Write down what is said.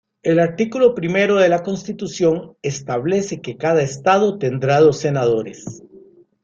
El artículo primero de la Constitución establece que cada estado tendrá dos senadores.